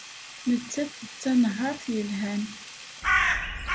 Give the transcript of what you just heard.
Nettat d tanehhaṛt yelhan.